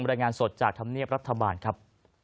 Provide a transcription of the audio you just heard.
รายงานสดจากธรรมเนียบรัฐบาลครับ